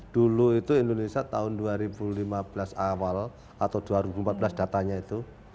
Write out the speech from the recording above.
dulu itu indonesia tahun dua ribu lima belas awal atau dua ribu empat belas datanya itu